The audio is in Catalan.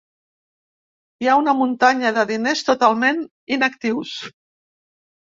Hi ha una muntanya de diners totalment inactius.